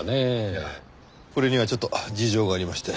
いやこれにはちょっと事情がありまして。